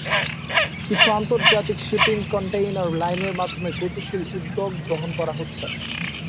কিছু আন্তর্জাতিক shipping container লাইনের মাধ্যমে গতিশীল উদ্যোগ গ্রহণ করা হচ্ছে।